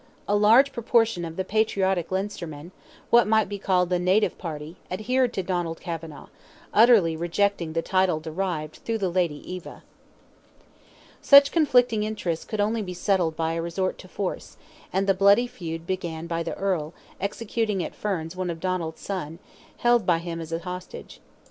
A large proportion of the patriotic Leinstermen—what might be called the native party—adhered to Donald Kavanagh, utterly rejecting the title derived through the lady Eva. Such conflicting interests could only be settled by a resort to force, and the bloody feud began by the Earl executing at Ferns one of Donald's sons, held by him as a hostage.